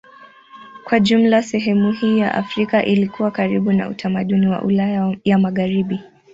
Kwa jumla sehemu hii ya Afrika ilikuwa karibu na utamaduni wa Ulaya ya Magharibi.